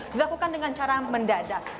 dilakukan dengan cara mendadak